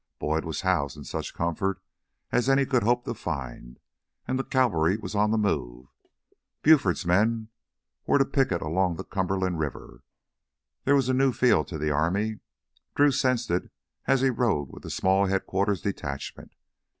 Boyd was housed in such comfort as any could hope to find, and the cavalry was on the move. Buford's men were to picket along the Cumberland River. There was a new feel to the army. Drew sensed it as he rode with the small headquarters detachment.